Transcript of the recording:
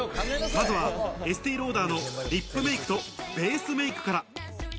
まずはエスティローダーのリップメイクとベースメイクから。